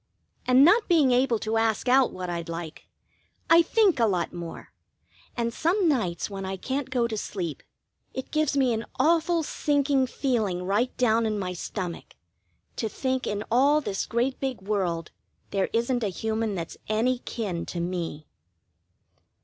And not being able to ask out what I'd like, I think a lot more, and some nights when I can't go to sleep, it gives me an awful sinking feeling right down in my stomach, to think in all this great big world there isn't a human that's any kin to me.